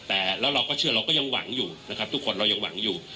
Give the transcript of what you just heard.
แต่แล้วเราก็เชื่อเราก็ยังหวังอยู่นะครับทุกคนเรายังหวังอยู่